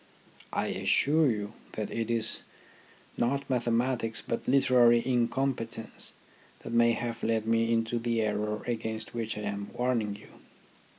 I assure you that it is not mathematics but literary incompetence that may have led me into the error against which I am warning you.